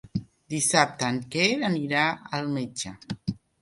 Dissabte en Quer anirà al metge.